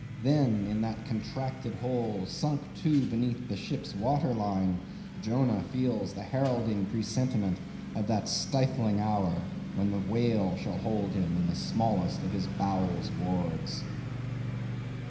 Then, in that contracted hole, sunk, too, beneath the ship's water line, Jonah feels the heralding presentiment of that stifling hour, when the whale shall hold him in the smallest of his bowels' wards.